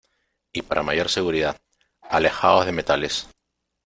y para mayor seguridad, alejaos de metales